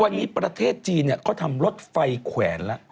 วันนี้ประเทศจีนเขาทำรถไฟแขวนแล้ว